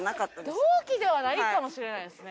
同期ではないかもしれないですね。